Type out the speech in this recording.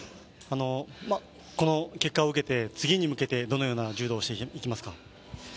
この結果を受けて次に向けてどのような柔道をしていきますか？